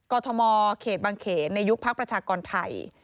กมเขตบังเขตในยุคภาคประชากรไทย